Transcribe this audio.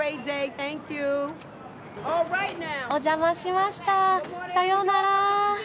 お邪魔しましたさようなら。